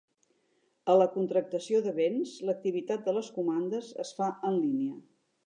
A la contractació de bens, l"activitat de les comandes es fa en línia.